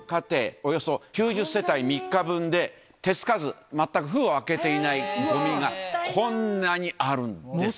およそ９０世帯３日分で、手付かず、全く封を開けていないごみがこんなにあるんです。